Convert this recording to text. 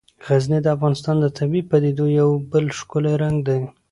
غزني د افغانستان د طبیعي پدیدو یو بل ښکلی رنګ دی.